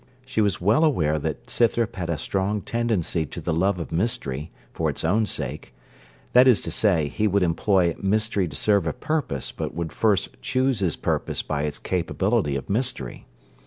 She was well aware that Scythrop had a strong tendency to the love of mystery, for its own sake; that is to say, he would employ mystery to serve a purpose, but would first choose his purpose by its capability of mystery.